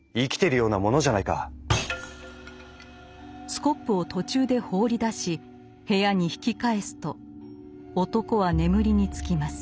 スコップを途中で放り出し部屋に引き返すと男は眠りにつきます。